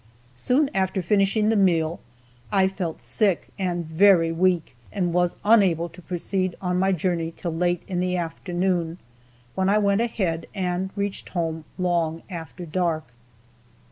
Soon after finishing the meal I felt sick and very weak, and was unable to proceed on my journey till late in the afternoon, when I went ahead and reached home long after dark.